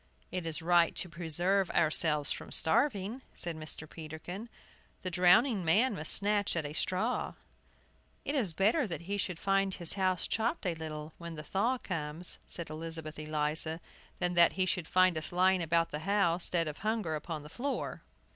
"It is right to preserve ourselves from starving," said Mr. Peterkin. "The drowning man must snatch at a straw!" "It is better that he should find his house chopped a little when the thaw comes," said Elizabeth Eliza, "than that he should find us lying about the house, dead of hunger, upon the floor."